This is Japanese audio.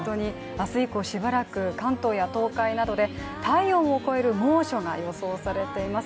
明日以降しばらく関東や東海などで体温を超える猛暑が予想されています。